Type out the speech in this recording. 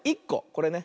これね。